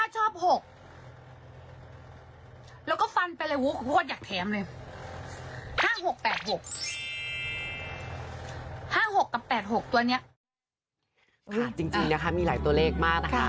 จริงนะคะมีหลายตัวเลขมากนะคะ